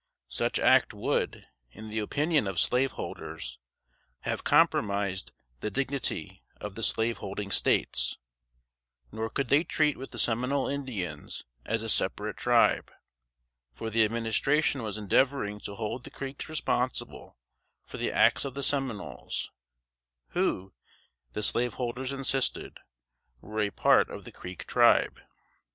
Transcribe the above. Such act would, in the opinion of slaveholders, have compromised the dignity of the Slaveholding States; nor could they treat with the Seminole Indians as a separate tribe, for the Administration was endeavoring to hold the Creeks responsible for the acts of the Seminoles, who, the slaveholders insisted, were a part of the Creek tribe.